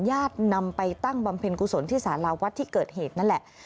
ญาตินำไปตั้งบำเพ็ญกุศลที่สาราวัดที่เกิดเหตุนั่นแหละ